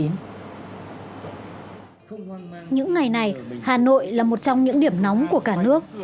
những ngày này hà nội là một trong những điểm nóng của cả nước